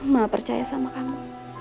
ma percaya sama kamu